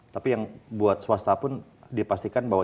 tapi yang buat swasta pun dipastikan bahwa